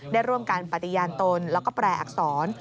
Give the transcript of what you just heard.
ได้ร่วมการปฏิญาณตนแล้วก็แปลอักษร